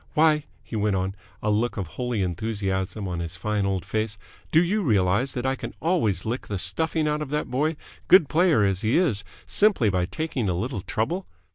Why," he went on, a look of holy enthusiasm on his fine old face, "do you realize that I can always lick the stuffing out of that boy, good player as he is, simply by taking a little trouble?